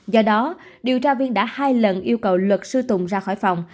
do đó điều tra viên đã hai lần yêu cầu luật sư tùng ra khỏi phòng